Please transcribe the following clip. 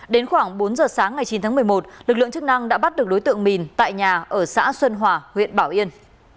đến khoảng bốn giờ sáng ngày chín tháng một mươi một lực lượng chức năng đã bắt được đối tượng mền tại nhà ở xã xuân hòa huyện bảo yên